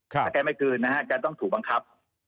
ถ้าแกไม่คืนนะฮะแกต้องถูกบังคับ